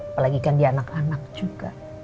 apalagi kan dia anak anak juga